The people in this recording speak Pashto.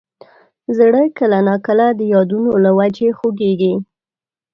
زړه کله نا کله د یادونو له وجې خوږېږي.